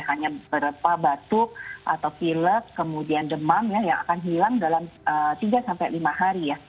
hanya berapa batuk atau pilek kemudian demam ya yang akan hilang dalam tiga sampai lima hari ya